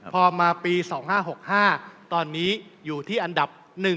พอมาปี๒๕๖๕ตอนนี้อยู่ที่อันดับ๑